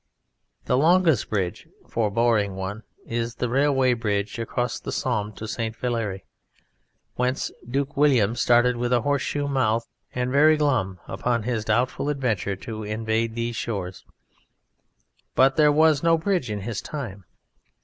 The longest bridge for boring one is the railway bridge across the Somme to St. Valery, whence Duke William started with a horseshoe mouth and very glum upon his doubtful adventure to invade these shores but there was no bridge in his time.